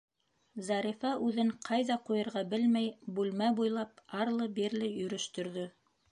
Зарифа, үҙен ҡайҙа ҡуйырға белмәй, бүлмә буйлап арлы- бирле йөрөштөрҙө.